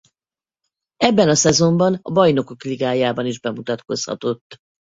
Ebben a szezonban a Bajnokok Ligájában is bemutatkozhatott.